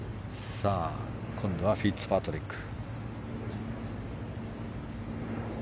今度はフィッツパトリック。